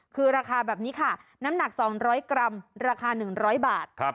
คือราคาแบบนี้ค่ะน้ำหนัก๒๐๐กรัมราคา๑๐๐บาท